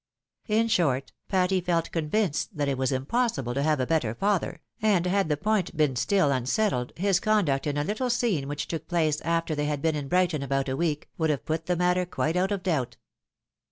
In short, Patty felt convinced that it was impossible to have a better father, and had the point been still unsettled, his con duct in a little scene which took place after they had been in Brighton about a week, would have put the matter qxiite out of doubt.